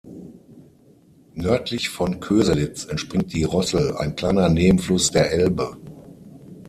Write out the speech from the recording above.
Nördlich von Köselitz entspringt die Rossel, ein kleiner Nebenfluss der Elbe.